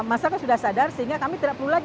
masyarakat sudah sadar sehingga kami tidak perlu lagi